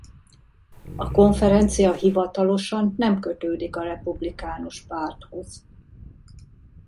A konferencia hivatalosan nem kötődik a republikánus párthoz.